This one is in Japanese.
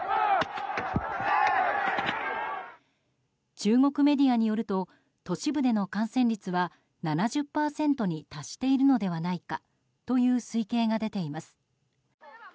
中国メディアによると都市部での感染率は７０％に達しているのではないかという推計が出ています。